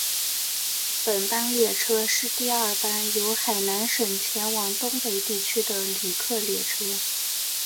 本班列车是第二班由海南省前往东北地区的旅客列车。